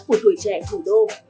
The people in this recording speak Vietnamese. của tuổi trẻ thủ đô